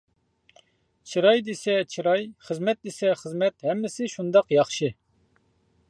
چىراي دېسە چىراي، خىزمەت دېسە خىزمەت ھەممىسى شۇنداق ياخشى.